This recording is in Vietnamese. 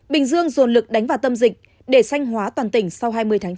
bình dương dồn lực đánh vào tâm dịch để sanh hóa toàn tỉnh sau hai mươi tháng chín